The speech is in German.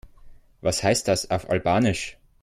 Was heißt das auf Albanisch?